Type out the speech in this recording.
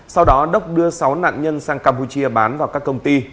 sau đó đốc đưa sáu nạn nhân sang campuchia bán vào các công ty